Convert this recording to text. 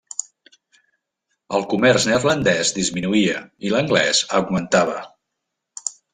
El comerç neerlandès disminuïa i l'anglès augmentava.